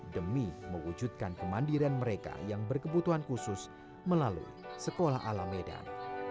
demi mewujudkan kemandirian mereka yang berkebutuhan khusus melalui sekolah alam medan